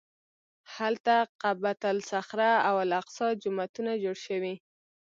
هلته قبة الصخره او الاقصی جوماتونه جوړ شوي.